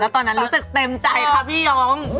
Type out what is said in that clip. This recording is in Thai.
แล้วตอนนั้นรู้สึกเต็มใจค่ะพี่ย้ง